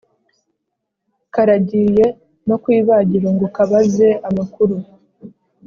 Karagiye no ku ibagiro ngo kabaze amakuru